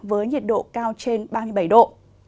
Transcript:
với nhiệt độ cao trên ba mươi bảy độ